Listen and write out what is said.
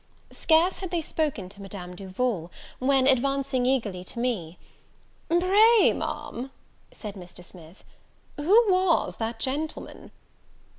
Scarce had they spoken to Madame Duval, when, advancing eagerly to me, "Pray, Ma'am," said Mr. Smith, "who was that gentleman?"